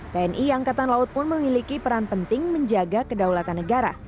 tni angkatan laut pun memiliki peran penting menjaga kedaulatan negara